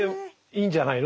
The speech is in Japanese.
いいんじゃない？